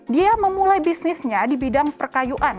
dia memulai bisnisnya di bidang perkayuan